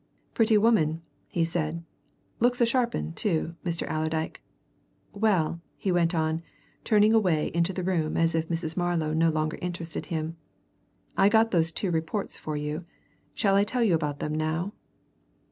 "Pretty woman," he said. "Looks a sharp 'un, too, Mr. Allerdyke. Well," he went on, turning away into the room as if Mrs. Marlow no longer interested him. "I got those two reports for you shall I tell you about them now?"